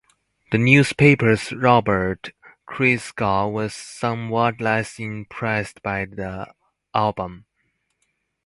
The newspaper's Robert Christgau was somewhat less impressed by the album.